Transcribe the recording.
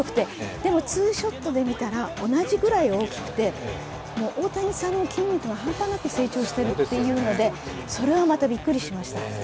でもツーショットで見たら同じぐらい大きくて、大谷さんの筋肉が半端なく成長しているというのでそれはまたびっくりしました。